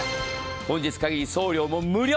本日限り、送料も無料。